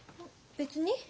別に。